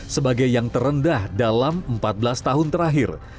sebagai yang terendah dalam empat belas tahun terakhir